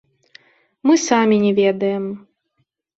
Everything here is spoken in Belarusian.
Мы самі не ведаем.